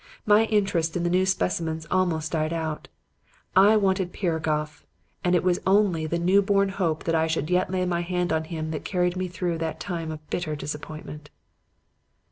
My interest in the new specimens almost died out. I wanted Piragoff; and it was only the new born hope that I should yet lay my hand on him that carried me through that time of bitter disappointment."